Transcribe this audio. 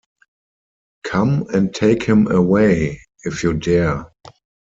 Come and take him away, if you dare.